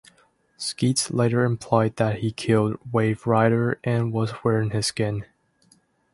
Skeets later implied that he killed Waverider and was wearing his skin.